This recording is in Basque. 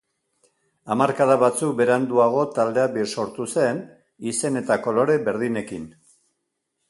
Hamarkada batzuk beranduago taldea birsortu zen, izen eta kolore berdinekin.